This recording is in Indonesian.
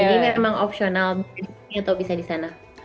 jadi memang opsional bisa di sini atau bisa di sana